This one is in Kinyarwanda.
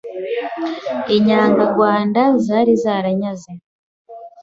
inyangarwanda zari zaranyaze